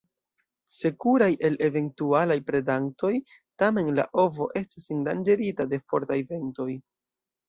Sekuraj el eventualaj predantoj, tamen la ovo estas endanĝerita de fortaj ventoj.